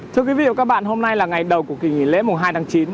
thưa quý vị và các bạn hôm nay là ngày đầu của kỳ nghỉ lễ mùng hai tháng chín